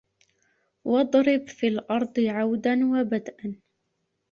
وَاضْرِبْ فِي الْأَرْضِ عَوْدًا وَبَدْءًا